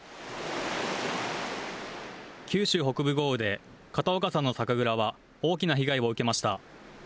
九州北部豪雨で、片岡さんの酒蔵は大きな被害を受けました。